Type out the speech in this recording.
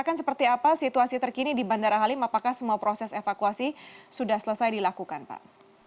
akan seperti apa situasi terkini di bandara halim apakah semua proses evakuasi sudah selesai dilakukan pak